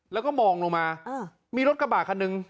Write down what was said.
แล้วก็มองลงมามีรถกระบากอย่างคันนึง